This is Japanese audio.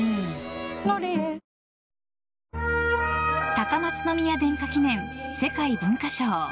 高松宮殿下記念世界文化賞。